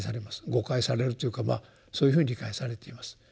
誤解されるというかそういうふうに理解されています。